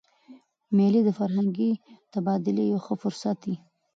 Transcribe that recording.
مېلې د فرهنګي تبادلې یو ښه فرصت يي.